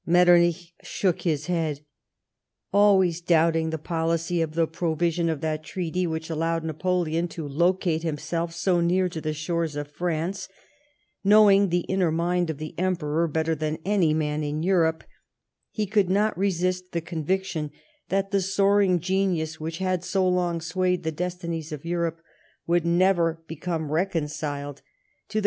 ^Metternich shook his head. Always doubting the policy of the provision of that treaty which allowed Napoleon to locate himself so near to the shores of France, knowing the inner mind of the Emperor better than any man in Europe, he could not resist the conviction that the soaring genius which had so long swayed the destinies of Europe would never become reconciled to the NAPOLEON AT ELBA.